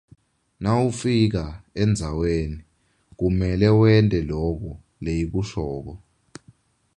Nawufika endzaweni kumele wente loko leyikushoko.